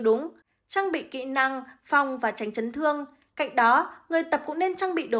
đúng trang bị kỹ năng phòng và tránh chấn thương cạnh đó người tập cũng nên trang bị đồ